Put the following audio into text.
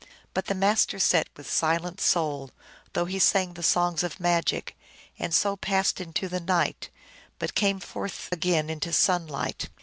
But the Master sat with silent soul, though he sang the songs of magic, and so passed into the night, but came forth again into sunlight.